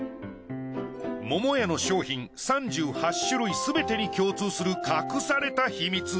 桃屋の商品３８種類すべてに共通する隠された秘密。